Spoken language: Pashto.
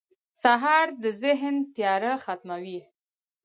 سهار د ذهن تیاره ختموي.